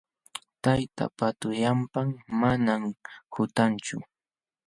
Tayta pa tullapan manam quntanchu.